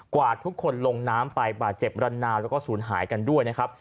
วาดทุกคนลงน้ำไปบาดเจ็บรันนาวแล้วก็ศูนย์หายกันด้วยนะครับ